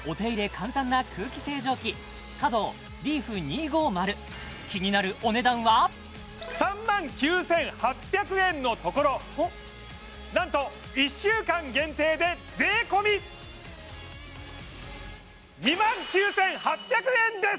簡単な空気清浄機ｃａｄｏＬＥＡＦ２５０３万９８００円のところなんと１週間限定で税込２万９８００円です！